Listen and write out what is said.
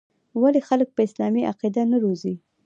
ولـې خـلـک پـه اسـلامـي عـقـيده نـه روزي.